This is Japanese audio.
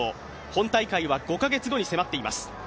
本大会は５カ月後に迫っています。